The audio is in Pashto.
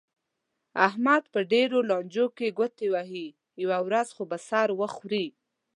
احمد په ډېرو لانجو کې ګوتې وهي، یوه ورځ خو به سر وخوري.